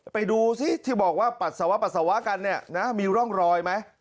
ไปดูซิที่บอกว่าปัสสาวะปัสสาวะกันเนี่ยนะมีร่องรอยไหม